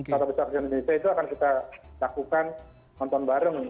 kota besar indonesia itu akan kita lakukan nonton bareng